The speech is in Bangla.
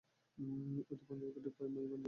এই অধি-পঞ্জিকাটি 'মায়া পঞ্জিকা' হিসাবে উল্লিখিত।